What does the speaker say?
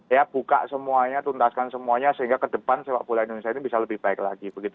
ya buka semuanya tuntaskan semuanya sehingga ke depan sepak bola indonesia ini bisa lebih baik lagi